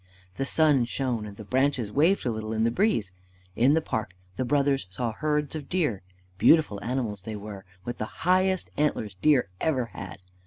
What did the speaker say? The sun shone, and the branches waved a little in the breeze. In the park the brothers saw herds of deer. Beautiful animals they were, with the highest antlers deer ever had.